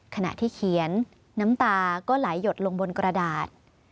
ขณะที่เขียนน้ำตาก็ไหลหยดลงบนกระดาษ